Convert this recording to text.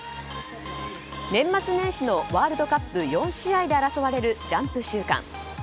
年末年始のワールドカップ４試合で争われるジャンプ週間。